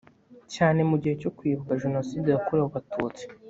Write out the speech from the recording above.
cyane mu gihe cyo kwibuka jenoside yakorewe abatutsi